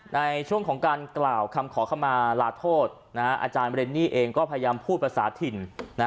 ในช่วงของการกล่าวคำขอเข้ามาลาโทษอาจารย์เรนนี่เองก็พยายามพูดภาษาถิ่น